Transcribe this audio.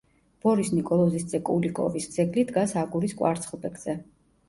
ბორის ნიკოლოზის ძე კულიკოვის ძეგლი დგას აგურის კვარცხლბეკზე.